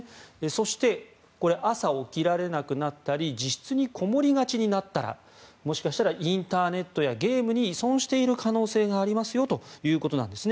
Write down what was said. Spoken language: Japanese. そして、これ朝、起きられなくなったり自室にこもりがちになったらもしかしたらインターネットやゲームに依存している可能性がありますよということです。